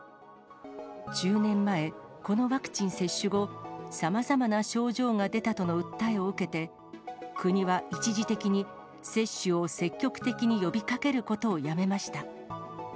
１０年前、このワクチン接種後、さまざまな症状が出たとの訴えを受けて、国は一時的に、接種を積極的に呼びかけることをやめました。